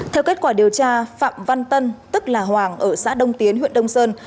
theo kết quả điều tra phạm văn tân tức là hoàng ở xã đông tiến huyện đông sơn